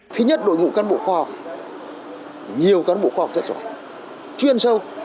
phía nhất đội ngũ cán bộ kho học nhiều cán bộ kho học rất rồi chuyên sâu